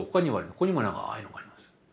ここにも長いのがあります。